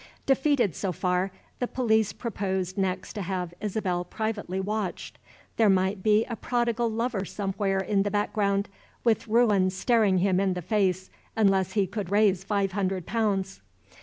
Defeated so far, the police proposed next to have Isabel privately watched. There might be a prodigal lover somewhere in the background, with ruin staring him in the face unless he could raise five hundred pounds.